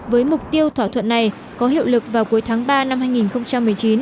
với mục tiêu thỏa thuận này có hiệu lực vào cuối tháng ba năm hai nghìn một mươi chín